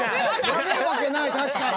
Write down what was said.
食べるわけない確かに！